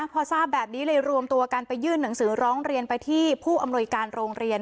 พอทราบแบบนี้เลยรวมตัวกันไปยื่นหนังสือร้องเรียนไปที่ผู้อำนวยการโรงเรียน